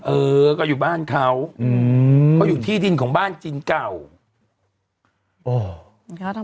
เออก็อยู่บ้านเขาอืมเขาอยู่ที่ดินของบ้านจีนเก่า